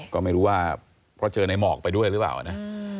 ก็ไม่รู้ว่าเพราะเจอในหมอกไปด้วยหรือเปล่านะ